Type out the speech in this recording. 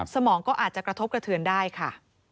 สมองก็อาจจะกระทบกระเทือนได้ค่ะ